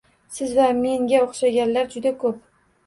Siz va menga o’xshaganlar juda ko’p.